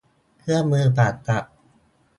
เครื่องมือผ่าตัด